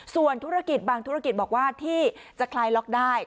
ส่วนธุรกิจบางธุรกิจบอกว่าที่จะคลายล็อกได้